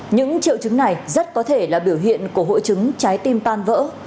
những triệu chứng này rất có thể là biểu hiện của hội chứng trái tim tan vỡ